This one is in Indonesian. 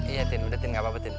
iya tin udah tin gapapa tin